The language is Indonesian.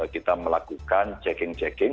kita melakukan checking checking